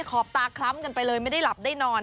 ขอบตาคล้ำกันไปเลยไม่ได้หลับได้นอน